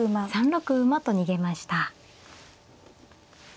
３六馬と逃げました。